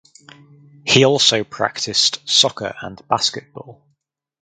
He also practiced soccer and basketball.